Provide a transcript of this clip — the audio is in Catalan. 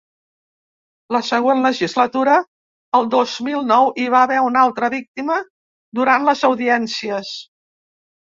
La següent legislatura, el dos mil nou, hi va haver una altra víctima durant les audiències.